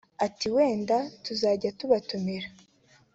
Ati “Wenda tuzajya tubatumira